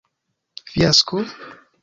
Fiasko?